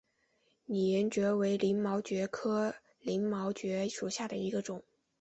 拟岩蕨为鳞毛蕨科鳞毛蕨属下的一个种。